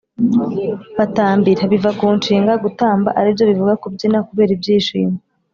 batambira: biva ku nshinga gutamba ari byo bivuga kubyina kubera ibyishimo